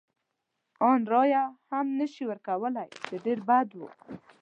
ان رایه هم نه شي ورکولای، چې ډېر بد و.